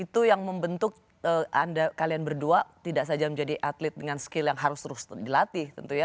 itu yang membentuk anda kalian berdua tidak saja menjadi atlet dengan skill yang harus terus dilatih tentunya